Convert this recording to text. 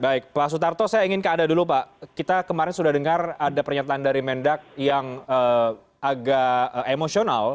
baik pak sutarto saya ingin ke anda dulu pak kita kemarin sudah dengar ada pernyataan dari mendak yang agak emosional